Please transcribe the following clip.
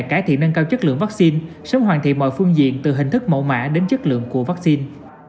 cải thiện nâng cao chất lượng vaccine sớm hoàn thiện mọi phương diện từ hình thức mẫu mã đến chất lượng của vaccine